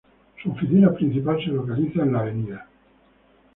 Su oficina principal se localiza en la Av.